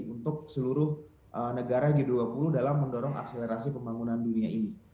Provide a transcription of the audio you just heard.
untuk seluruh negara g dua puluh dalam mendorong akselerasi pembangunan dunia ini